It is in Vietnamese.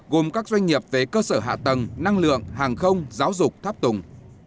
gồm các doanh nghiệp về cơ sở hạ tầng năng lượng hàng không giáo dục tháp tùng